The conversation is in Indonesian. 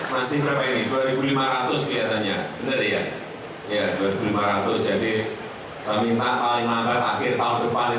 masih berapa ini dua lima ratus kelihatannya benar ya